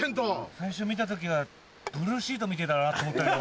最初見た時はブルーシートみてぇだなと思ったけど。